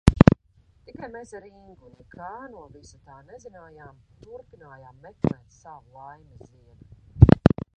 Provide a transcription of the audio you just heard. Tikai mēs ar Ingu nekā no visa tā nezinājām, turpinājām meklēt savu laimes ziedu.